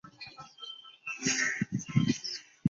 信息抽取之用的技术。